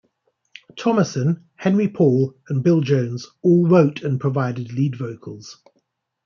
Thomasson, Henry Paul, and Bill Jones, all wrote and provided lead vocals.